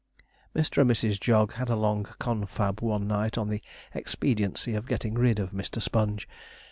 Mr. and Mrs. Jog had a long confab one night on the expediency of getting rid of Mr. Sponge.